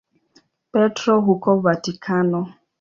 Petro huko Vatikano.